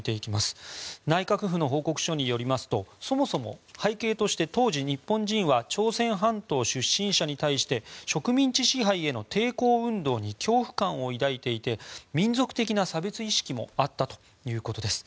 内閣府の報告書によりますとそもそも背景として当時、日本人は朝鮮半島出身者に対して植民地支配への抵抗運動に恐怖感を抱いていて民族的な差別意識もあったということです。